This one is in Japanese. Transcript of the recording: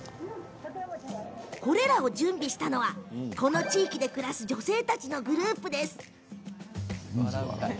これらを準備したのはこの地域で暮らす女性たちのグループです。